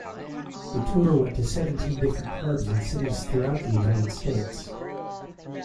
The tour went to seventeen different clubs in cities throughout the United States.